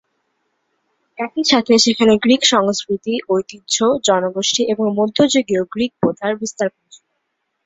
একই সাথে সেখানে গ্রিক সংস্কৃতি, ঐতিহ্য, জনগোষ্ঠী এবং মধ্যযুগীয় গ্রিক প্রথার বিস্তার ঘটেছিল।